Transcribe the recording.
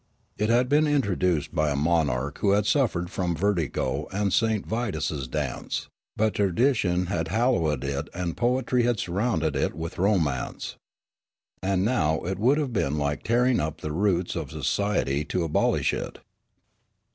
It had been introduced b}^ a monarch who had suffered from vertigo and St. Vitus' s dance, but tradition had hallowed it and poetr}' had surrounded it with romance. And now it would have been like tearing up the roots of society to abolish it.